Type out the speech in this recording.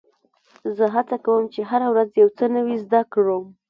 زه هڅه کوم، چي هره ورځ یو څه نوی زده کړم.